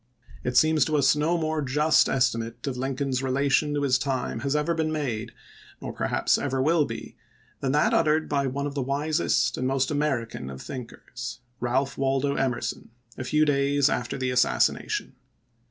it seems to us no more just estimate of Lincoln's relation to his time has ever been made — nor per haps ever will be — than that uttered by one of the wisest and most American of thinkers, Ealph Waldo Emerson, a few days after the assassination.